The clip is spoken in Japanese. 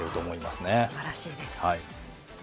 すばらしいです。